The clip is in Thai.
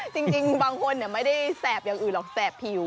จริงบางคนไม่ได้แสบอย่างอื่นหรอกแสบผิว